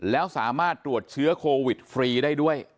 แล้วสามารถตรวจเชื้อโควิดฟรีได้ด้วย